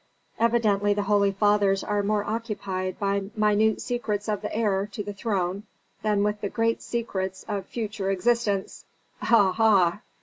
Evidently the holy fathers are more occupied by minute secrets of the heir to the throne than with the great secrets of future existence. Aha!"